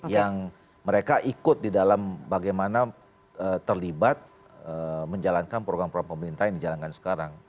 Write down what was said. yang mereka ikut di dalam bagaimana terlibat menjalankan program program pemerintah yang dijalankan sekarang